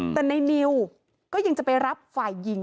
แต่ในนิวก็ยังจะไปรับฝ่ายหญิง